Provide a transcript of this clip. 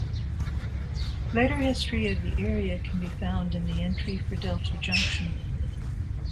Later history of the area can be found in the entry for Delta Junction.